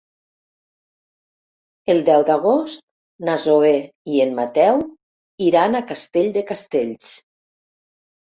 El deu d'agost na Zoè i en Mateu iran a Castell de Castells.